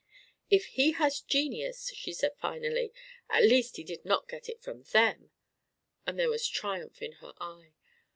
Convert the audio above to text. "If he has genius," she said finally, "at least he did not get it from them," and there was a triumph in her eye.